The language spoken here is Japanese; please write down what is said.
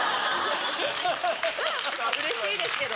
うれしいですけど。